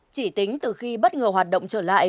chỉ tính từ khi bất ngờ hoạt động trở lại